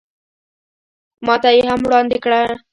ماته یې هم وړاندې کړ.